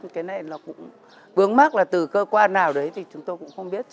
cái này nó cũng vướng mắt là từ cơ quan nào đấy thì chúng tôi cũng không biết